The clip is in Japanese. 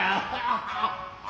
ハハハ。